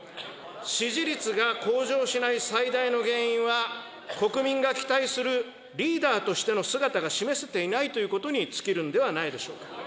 支持率が向上しない最大の原因は、国民が期待するリーダーとしての姿が示せていないということに尽きるんではないでしょうか。